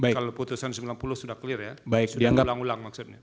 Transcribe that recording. kalau putusan sembilan puluh sudah clear ya sudah diulang ulang maksudnya